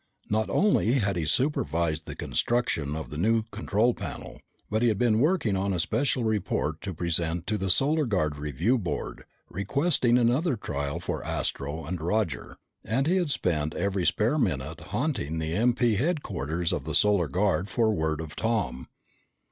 Not only had he supervised the construction of the new control panel, but he had been working on a special report to present to the Solar Guard Review Board requesting another trial for Astro and Roger. And he had spent every spare minute haunting the MP headquarters of the Solar Guard for word of Tom.